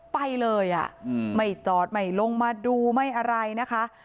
ไปเลยอ่ะไม่จอดไม่ลงมาดูไม่อะไรนะคะ